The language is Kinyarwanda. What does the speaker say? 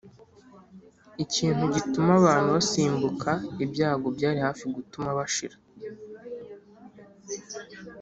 (ikintu gituma abantu basimbuka ibyago byari hafi gutuma bashira)